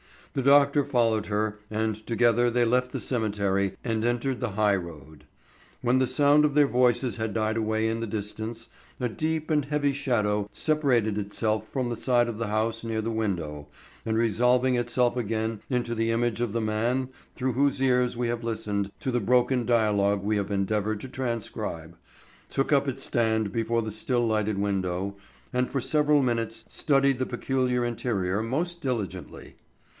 The doctor followed her and together they left the cemetery and entered the high road. When the sound of their voices had died away in the distance, a deep and heavy shadow separated itself from the side of the house near the window and resolving itself again into the image of the man through whose ears we have listened to the broken dialogue we have endeavored to transcribe, took up its stand before the still lighted window and for several minutes studied the peculiar interior most diligently.